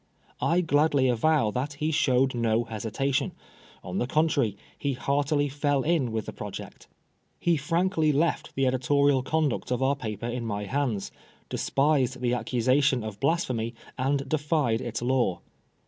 I gladly avow that he showed no hesita tion ; on the contrary, he heartily fell in with the project. He frankly left the editorial conduct of our paper in my hands, despised the accusation of Blas phemy, and defied its law.